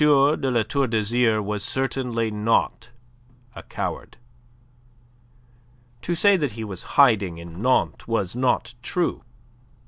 de La Tour d'Azyr was certainly not a coward. To say that he was hiding in Nantes was not true.